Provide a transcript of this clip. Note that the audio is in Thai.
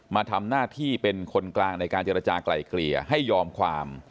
มาทำหน้าที่เป็นคนกลางในการเจรจากลายเกลี่ยให้ยอมความ